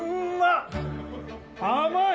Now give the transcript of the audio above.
甘い？